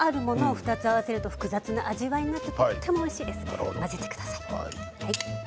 ２つ合わせると味わいが複雑になってとてもおいしいです。